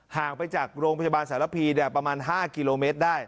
ห่างไปจากโรงพยาบาลสารพีประมาณ๕กิโลเมตรได้